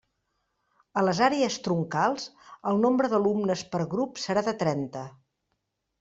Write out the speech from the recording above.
A les àrees troncals, el nombre d'alumnes per grup serà de trenta.